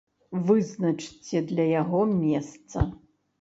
Вызначце для яго месца.